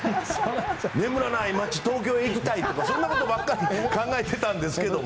眠らない街・東京行きたいとかそんなことばかり考えてたんですけども。